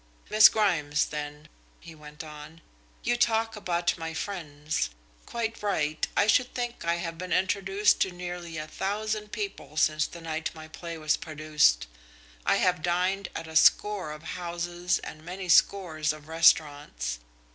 "Miss Grimes, then," he went on. "You talk about my friends. Quite right. I should think I have been introduced to nearly a thousand people since the night my play was produced. I have dined at a score of houses and many scores of restaurants.